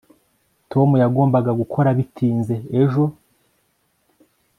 tom yagombaga gukora bitinze ejo